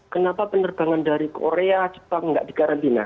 kenapa penerbangan dari korea jepang tidak dikarantina